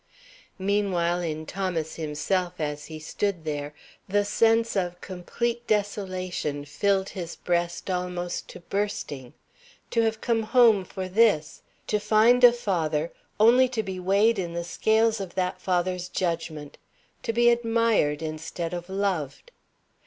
Meanwhile in Thomas himself, as he stood there, the sense of complete desolation filled his breast almost to bursting. To have come home for this! To find a father only to be weighed in the scales of that father's judgment! To be admired, instead of loved!